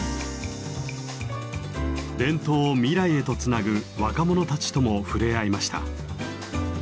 伝統を未来へとつなぐ若者たちとも触れ合いました。